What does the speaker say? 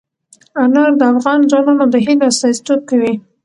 انار د افغان ځوانانو د هیلو استازیتوب کوي.